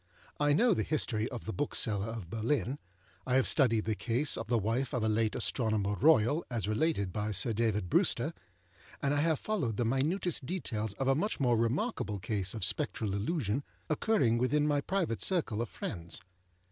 I know the history of the Bookseller of Berlin, I have studied the case of the wife of a late Astronomer Royal as related by Sir David Brewster, and I have followed the minutest details of a much more remarkable case of Spectral Illusion occurring within my private circle of friends.